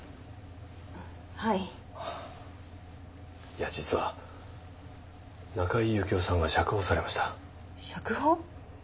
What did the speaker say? はいいや実は中井幸雄さんが釈放されました釈放？